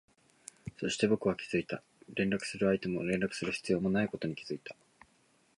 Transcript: そして、僕は気づいた、連絡する相手も連絡する必要もないことに気づいた